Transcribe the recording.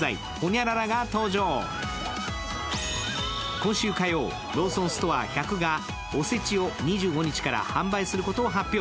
今週火曜、ローソンストア１００がお節を２５日から販売することを発表。